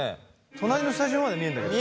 隣のスタジオまで見えんだけど。